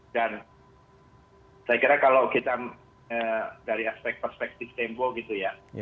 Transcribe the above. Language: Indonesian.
dan saya kira kalau kita dari aspek perspektif tempo gitu ya